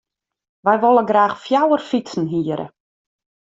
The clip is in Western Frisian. Wy wolle graach fjouwer fytsen hiere.